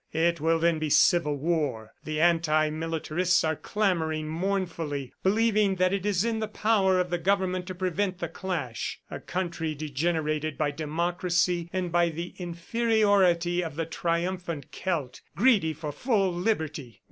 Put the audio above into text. It will then be civil war. The anti militarists are clamoring mournfully, believing that it is in the power of the government to prevent the clash. ... A country degenerated by democracy and by the inferiority of the triumphant Celt, greedy for full liberty!